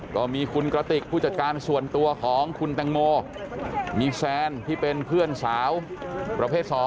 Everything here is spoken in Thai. ก็มีคุณกระติกผู้จัดการส่วนตัวของคุณแตงโมมีแซนที่เป็นเพื่อนสาวประเภท๒